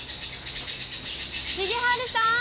重治さん！